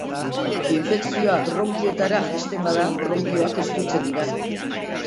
Infekzioa bronkioetara jaisten bada, bronkioak estutzen dira.